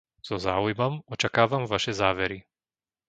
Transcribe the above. So záujmom očakávam vaše závery.